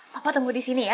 papa tunggu di sini ya